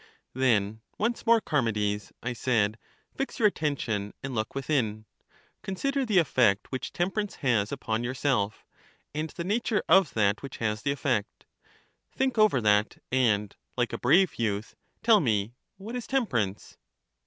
Then once more, Charmides, I said, fix your atten tion, and look within ; consider the effect which tem perance has upon yourself, and the nature of that which has the effect. Think over that, and, like a brave youth, tell me — What is temperance?